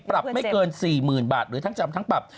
ปรับไม่เกิน๔๐๐๐บาทหรือทั้งจำทั้งปรับ